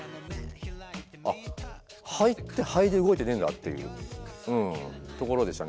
あっ肺って肺で動いてねえんだっていううんところでしたね。